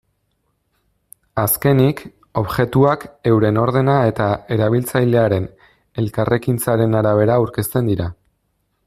Azkenik, objektuak euren ordena eta erabiltzailearen elkarrekintzaren arabera aurkezten dira.